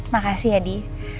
makasih ya di